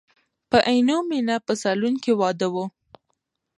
په عینومیني په سالون کې واده و.